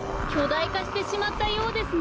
いかしてしまったようですね。